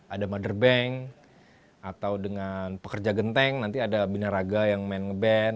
ada mother bank atau dengan pekerja genteng nanti ada binaraga yang main ngeband